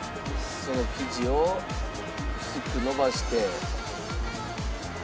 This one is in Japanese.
その生地を薄く伸ばして。